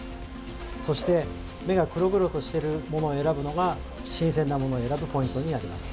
そして目が黒々としているものを選ぶのが新鮮なものを選ぶポイントになります。